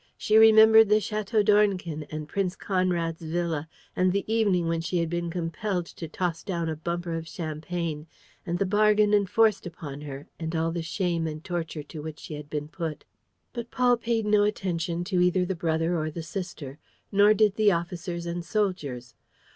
She remembered the Château d'Ornequin and Prince Conrad's villa and the evening when she had been compelled to toss down a bumper of champagne and the bargain enforced upon her and all the shame and torture to which she had been put. But Paul paid no attention to either the brother or the sister, nor did the officers and soldiers.